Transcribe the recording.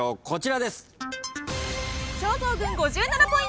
こちらです。